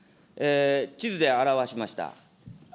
地図で表しました。